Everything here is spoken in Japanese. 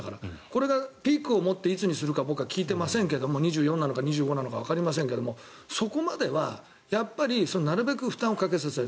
これがピークをもっていつにするか僕は聞いていませんが２４歳なのか２５歳なのかわかりませんけどそこまではなるべく負担をかけさせない。